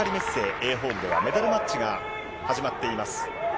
Ａホールでは、メダルマッチが始まっています。